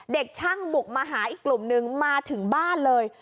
เด็กช่างบุกมาหาอีกกลุ่มนึงมาถึงบ้านเลย